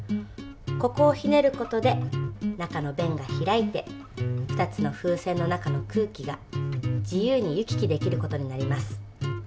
ここをひねる事で中の弁が開いて２つの風船の中の空気が自由に行き来できる事になります。